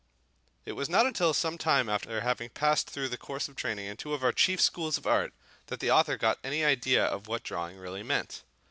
It was not until some time after having passed through the course of training in two of our chief schools of art that the author got any idea of what drawing really meant.